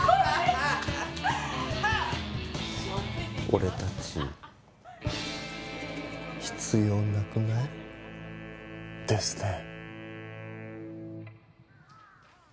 俺たち必要なくない？ですね。